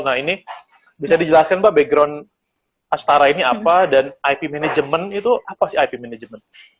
nah ini bisa dijelaskan mbak background astara ini apa dan ip manajemen itu apa sih ip management